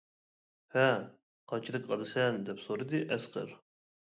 ھە قانچىلىك ئالىسەن؟ دەپ سورىدى ئەسقەر.